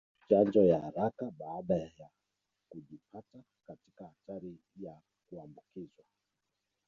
Chanjo ya haraka baada ya kujipata katika hatari ya kuambukizwa